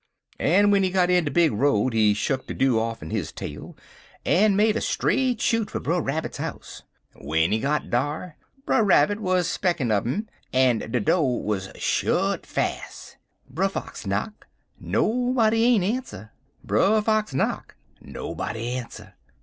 "En w'en he got in de big road, he shuck de dew off'n his tail, en made a straight shoot fer Brer Rabbit's house. W'en he got dar, Brer Rabbit wuz spectin' un 'im, en de do' wuz shet fas'. Brer Fox knock. Nobody ain't ans'er. Brer Fox knock. Nobody ans'er.